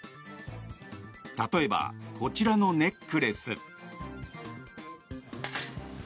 例えば、こちらのネックレス。